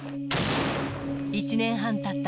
１年半たった